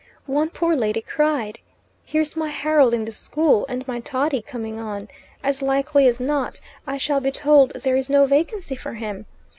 One poor lady cried, 'Here's my Harold in the school, and my Toddie coming on. As likely as not I shall be told there is no vacancy for him.